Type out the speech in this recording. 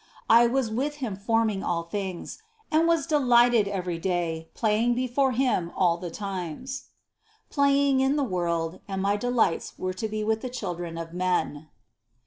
30. "I was with Him forming all things: and was delighted every day, playing before Him all the times." 31. "Playing in the world: and my delights were to be with the children of men."